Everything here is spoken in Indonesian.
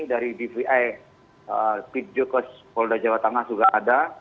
dari dvi pidjokos polda jawa tengah juga ada